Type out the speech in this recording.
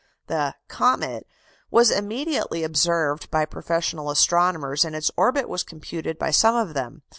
The "comet" was immediately observed by professional astronomers, and its orbit was computed by some of them.